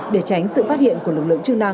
để tránh sự phát hiện của lực lượng chức năng